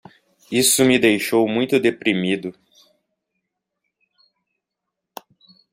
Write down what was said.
Isso me deixou muito deprimido.